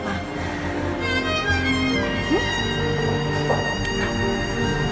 masih satu wanita